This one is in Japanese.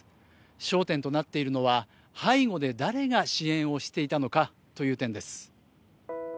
焦点となっているのは、背後で誰が支援をしていたのかという点です。